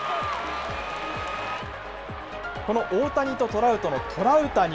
この大谷とトラウトのトラウタニ。